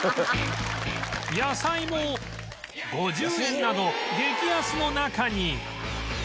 野菜も５０円など激安の中に